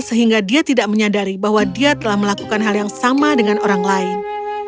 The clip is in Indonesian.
sehingga dia tidak menyadari bahwa dia telah melakukan hal yang sama dengan orang lain